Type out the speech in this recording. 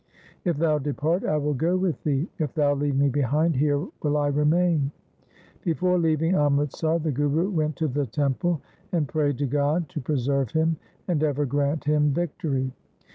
If thou depart, I will go with thee. If thou leave me behind, here will I remain.' Before leaving Amritsar the Guru went to the temple and prayed to God to preserve him and ever grant him victory.